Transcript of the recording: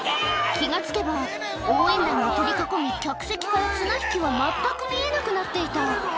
気が付けば応援団が取り囲み客席から綱引きは全く見えなくなっていた